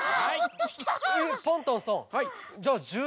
はい。